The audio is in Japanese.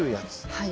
はい。